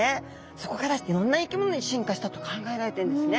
そこからいろんな生き物に進化したと考えられているんですね。